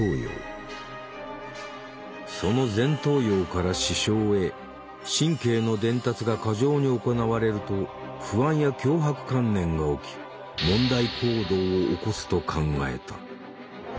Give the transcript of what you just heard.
その前頭葉から視床へ神経の伝達が過剰に行われると不安や強迫観念が起き問題行動を起こすと考えた。